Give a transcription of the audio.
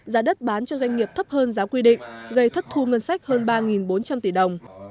giá đất bán cho doanh nghiệp thấp hơn giá quy định gây thất thu ngân sách hơn ba bốn trăm linh tỷ đồng